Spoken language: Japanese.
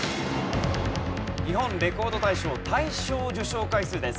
日本レコード大賞大賞受賞回数です。